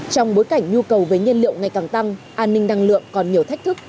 trong bối cảnh nhu cầu với nhiên liệu ngày càng tăng an ninh năng lượng còn nhiều thách thức